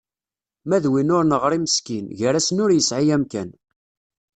Ma d win ur neɣri meskin, gar-asen ur yesɛi amkan.